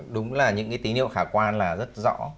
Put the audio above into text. đúng là những cái tín hiệu khả quan là rất rõ